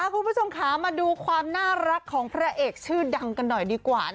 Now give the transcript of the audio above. คุณผู้ชมค่ะมาดูความน่ารักของพระเอกชื่อดังกันหน่อยดีกว่า